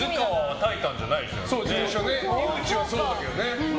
井口はそうだけどね。